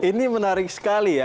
ini menarik sekali ya